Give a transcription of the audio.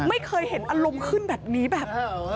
ไม่เคยเห็นอารมณ์ขึ้นแบบนี้แบบ